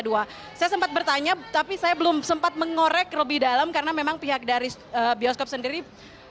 saya sempat bertanya tapi saya belum sempat mengorek lebih dalam karena memang pihak dari bioskop sendiri